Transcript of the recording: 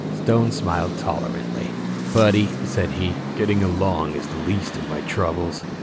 Stone smiled tolerantly. "Buddy," said he, "getting along is the least of my troubles."